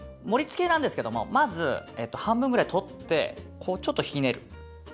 盛りつけなんですけどもまず半分ぐらい取ってこうちょっとひねる。